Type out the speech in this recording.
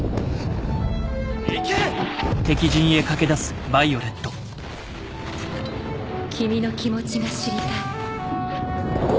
砲撃音「君の気持ちが知りたい」。